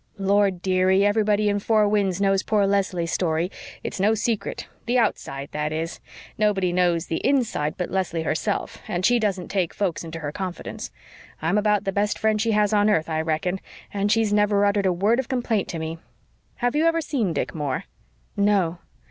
"Lord, dearie, everybody in Four Winds knows poor Leslie's story. It's no secret the OUTSIDE, that is. Nobody knows the INSIDE but Leslie herself, and she doesn't take folks into her confidence. I'm about the best friend she has on earth, I reckon, and she's never uttered a word of complaint to me. Have you ever seen Dick Moore?" "No."